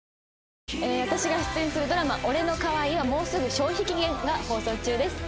私が出演するドラマ『俺の可愛いはもうすぐ消費期限！？』が放送中です。